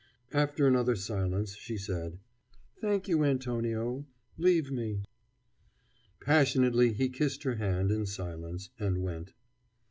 After another silence she said: "Thank you, Antonio; leave me." Passionately he kissed her hand in silence, and went.